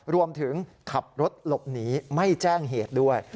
รวมถึงขับรถหลบหนีไม่แจ้งเหตุด้วย